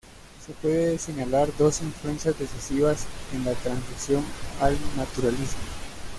Se pueden señalar dos influencias decisivas en la transición al naturalismo.